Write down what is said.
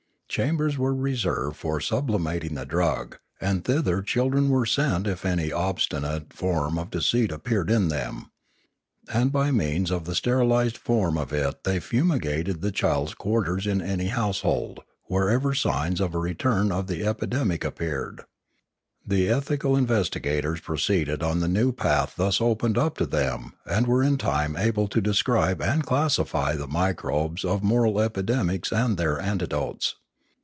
Chambers were reserved for sublimating the drug, and thither children were sent if any obstinate form of deceit ap peared in them. And by means of the sterilised form of it they fumigated the child's quarters in any house hold, whenever signs of a return of the epidemic ap peared. The ethical investigators proceeded on the new path thus opened up to them and were in time able to describe and classify the microbes of moral epidemics and their antidotes.